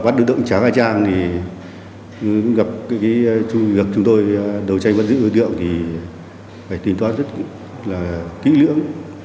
trang hai trang gặp chúng tôi đầu tranh bắt giữ đối tượng thì phải tìm toán rất là kỹ lưỡng